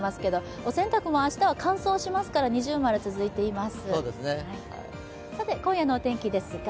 お洗濯も明日は乾燥しますから◎続いています。